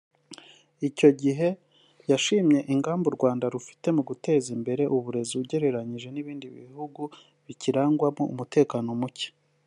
Icyo gihe yashimye ingamba u Rwanda rufite mu guteza imbere uburezi ugereranyije n’ibindi bihugu bikirangwamo umutekano muke